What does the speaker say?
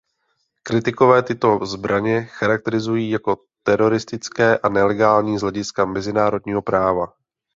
Kritikové tyto zbraně charakterizují jako teroristické a nelegální z hlediska mezinárodního práva.